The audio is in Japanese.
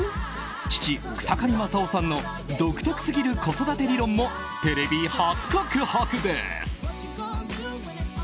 父・草刈正雄さんの独特すぎる子育て理論もテレビ初告白です。